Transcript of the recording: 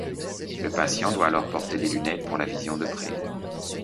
Le patient doit alors porter des lunettes pour la vision de près.